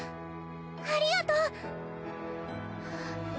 ありがとう！